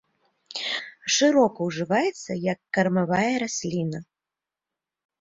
Шырока ўжываецца як кармавая расліна.